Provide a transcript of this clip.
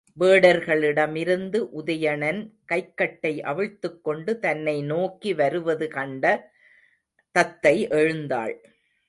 வேடர்களிடமிருந்து உதயணன் கைக்கட்டை அவிழ்த்துக் கொண்டு தன்னை நோக்கி வருவதுகண்ட தத்தை எழுந்தாள்.